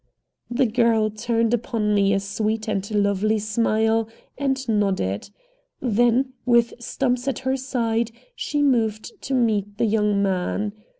The girl turned upon me a sweet and lovely smile and nodded. Then, with Stumps at her side, she moved to meet the young man.